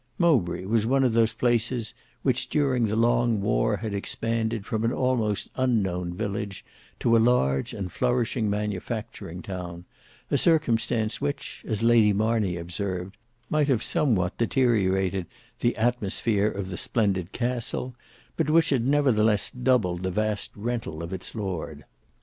Mowbray was one of those places which during the long war had expanded from an almost unknown village to a large and flourishing manufacturing town; a circumstance, which, as Lady Marney observed, might have somewhat deteriorated the atmosphere of the splendid castle, but which had nevertheless doubled the vast rental of its lord.